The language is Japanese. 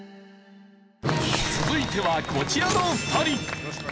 続いてはこちらの２人。